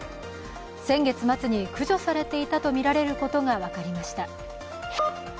先月末に駆除されていたとみられることが分かりました。